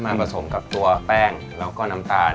ผสมกับตัวแป้งแล้วก็น้ำตาล